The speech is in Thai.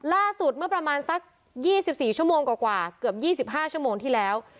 เมื่อประมาณสัก๒๔ชั่วโมงกว่าเกือบ๒๕ชั่วโมงที่แล้ว